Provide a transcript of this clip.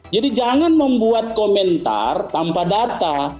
jadi jangan membuat komentar tanpa data